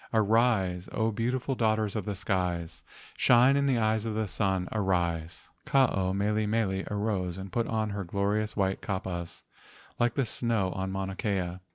Arise, O beautiful daughters of the skies, Shine in the eyes of the sun, arise!" Ke ao mele mele arose and put on her glorious white kapas like the snow on Mauna Kea.